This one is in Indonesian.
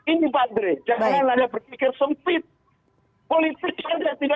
polisi saja tidak bisa